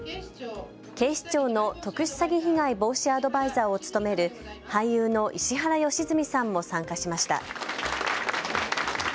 警視庁の特殊詐欺被害防止アドバイザーを務める俳優の石原良純さんも参加しました。